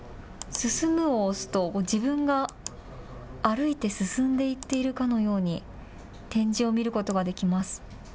進むを押すと自分が歩いて進んでいっているかのように展示を見ることができます。